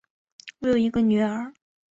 我有一个女儿